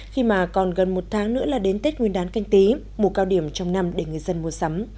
khi mà còn gần một tháng nữa là đến tết nguyên đán canh tí mù cao điểm trong năm để người dân mua sắm